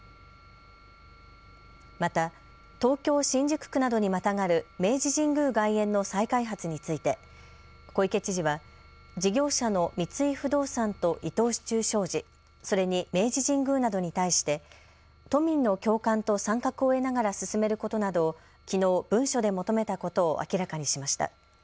また東京・新宿区などにまたがる明治神宮外苑の再開発について小池知事は事業者の三井不動産と伊藤忠商事、それに明治神宮などに対して都民の共感と参画を得ながら進めることなどをきのう、文書で求めたことを明らかにしました。